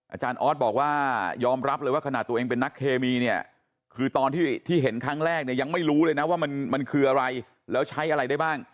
อาจารย์ออสบอกว่ายอมรับเลยว่าขณะตัวเองเป็นนักเคมีเนี่ยคือตอนที่เห็นครั้งแรกเนี่ยยังไม่รู้เลยนะว่ามันคืออะไรแล้วใช้อะไรได้บ้าง